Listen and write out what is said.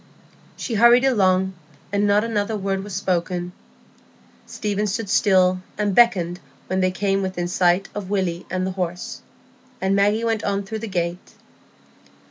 She hurried along, and not another word was spoken. Stephen stood still and beckoned when they came within sight of Willy and the horse, and Maggie went on through the gate.